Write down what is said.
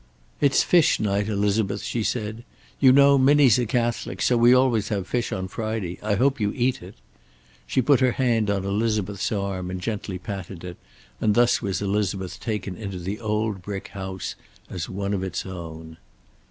"It's fish night, Elizabeth," she said. "You know Minnie's a Catholic, so we always have fish on Friday. I hope you eat it." She put her hand on Elizabeth's arm and gently patted it, and thus was Elizabeth taken into the old brick house as one of its own.